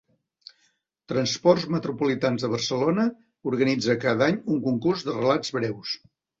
Transports Metropolitans de Barcelona organitza cada any un concurs de relats breus.